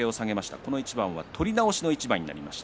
この一番は取り直しの一番になりました。